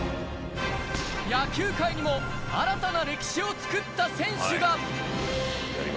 野球界にも新たな歴史を作った選手が。